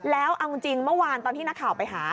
แล้วเอาจริงเมื่อวานตอนที่นักข่าวไปหา